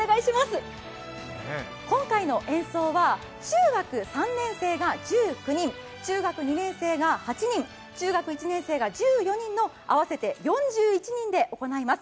今回の演奏は中学３年生が１９人、中学２年生が８人、中学１年生が１４人の合わせて４１人で行います。